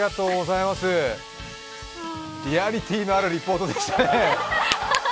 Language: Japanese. リアリティーのあるリポートでしたね。